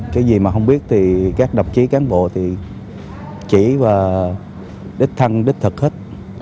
cái gì mà không biết thì các đặc trí cán bộ thì chỉ và đích thân đích thực hết